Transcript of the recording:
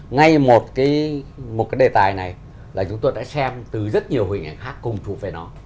ngay một cái đề tài này là chúng tôi đã xem từ rất nhiều hình ảnh khác cùng chụp về nó